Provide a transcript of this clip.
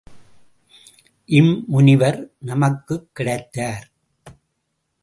இம்முனிவர் நமக்குக் கிடைத்தார்.